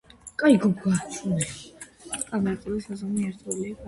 სტანდარტული საზომი ერთეულია კადრი წამში.